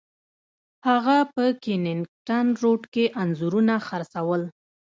هغه په کینینګټن روډ کې انځورونه خرڅول.